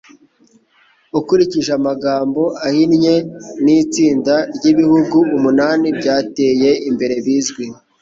Ukurikije Amagambo ahinnye ni Itsinda ryibihugu umunani byateye imbere bizwi